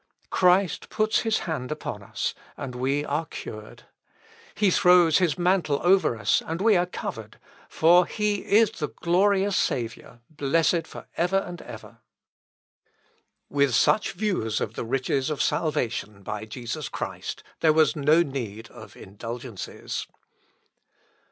Christ puts his hand upon us, and we are cured. He throws his mantle over us and we are covered; for he is the glorious Saviour, blessed for ever and ever." Thesis 37. With such views of the riches of salvation by Jesus Christ, there was no need of indulgences.